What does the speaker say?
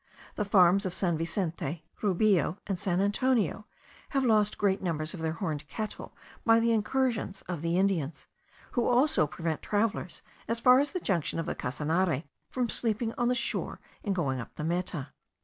The farms of San Vicente, Rubio, and San Antonio, have lost great numbers of their horned cattle by the incursions of the Indians, who also prevent travellers, as far as the junction of the Casanare, from sleeping on the shore in going up the Meta.